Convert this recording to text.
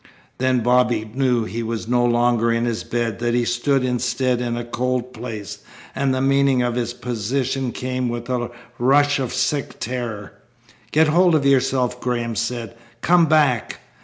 Then Bobby knew he was no longer in his bed, that he stood instead in a cold place; and the meaning of his position came with a rush of sick terror. "Get hold of yourself," Graham said. "Come back."